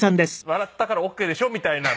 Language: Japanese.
笑ったからオーケーでしょ？みたいな。